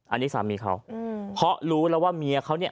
อันนี้สามีเขาเพราะรู้แล้วว่าเมียเขาเนี่ย